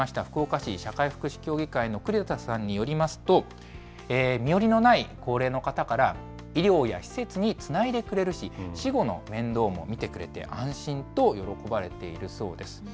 福岡市社会福祉協議会の栗田さんによりますと、身寄りのない高齢の方から、医療や施設につないでくれるし、死後の面倒も見てくれて、安心と喜ばれているそうです。